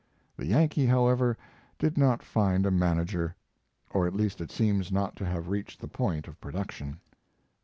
The Yankee, however, did not find a manager, or at least it seems not to have reached the point of production.